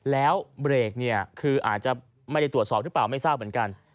แล้วเบรกเนี่ยคืออาจจะไม่ได้ตรวจสอบหรือเปล่าไม่ทราบเหมือนกัน